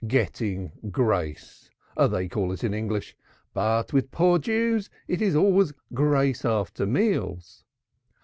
'Getting grace' they call it in English; but with poor Jews it is always grace after meals.